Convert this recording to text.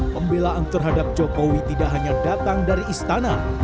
pembelaan terhadap jokowi tidak hanya datang dari istana